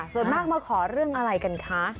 ส่วนมากมาขอเรื่องอะไรกันคะ